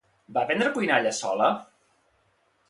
Va aprendre a cuinar ella sola?